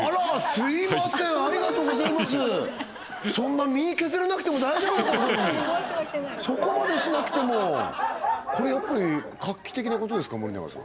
すいませんありがとうございますそんな身削らなくても大丈夫なのにそこまでしなくても申し訳ないこれやっぱり画期的なことですか森永さん